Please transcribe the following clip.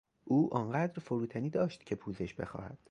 او آنقدر فروتنی داشت که پوزش بخواهد.